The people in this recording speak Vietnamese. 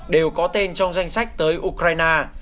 đều có tên trong danh sách tới ukraine